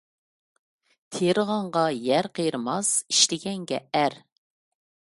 تېرىغانغا يەر قېرىماس، ئىشلىگەنگە ئەر.